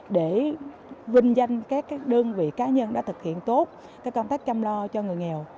để vinh danh các đơn vị cá nhân đã thực hiện tốt công tác chăm lo cho người nghèo